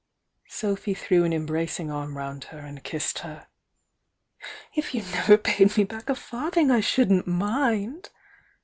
• Sophy threw an embrtcing arm round her and kissed her. "If you never paid me back a farthing I shouldn't mind!